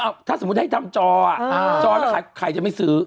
ไหมถ้าสมมติให้ทำจอจอตรงนี้ใครจะไม่ซื้อ